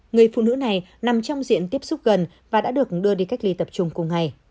người phụ nữ này nằm trong diện tiếp xúc gần và đã được đưa đi cách ly tập trung cùng ngày